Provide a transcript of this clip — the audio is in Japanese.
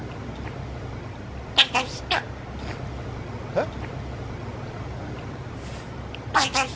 えっ？